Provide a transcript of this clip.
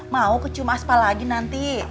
mau ke cuma aspa lagi nanti